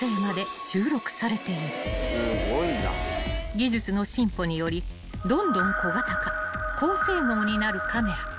［技術の進歩によりどんどん小型化高性能になるカメラ］